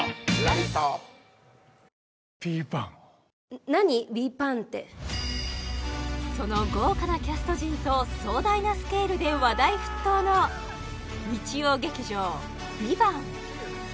ヴィパァンってその豪華なキャスト陣と壮大なスケールで話題沸騰の日曜劇場「ＶＩＶＡＮＴ」